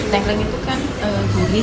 tengkleng itu kan gurih